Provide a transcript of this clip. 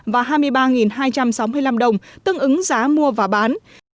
và hai mươi ba hai trăm sáu mươi năm đồng tương ứng giá mua và bán